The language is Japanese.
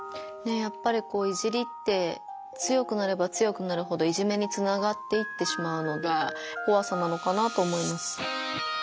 やっぱり「いじり」って強くなれば強くなるほどいじめにつながっていってしまうのがこわさなのかなと思います。